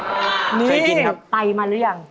เคยกินครับครับเคยไปกินมาแล้วครับนี่ไปมาหรือยัง